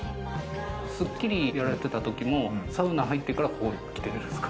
『スッキリ』やられてたときも、サウナ入ってからここに来てるんですか？